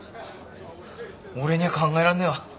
俺には考えらんねえわ。